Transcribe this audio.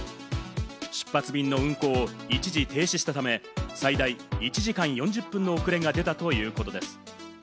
出発便の運行を一時停止したため、最大１時間４０分の遅れが出たということです。